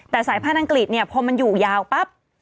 แต่สายพันธุ์อังกฤษเนี่ยพอมันอยู่ยาวปั๊บ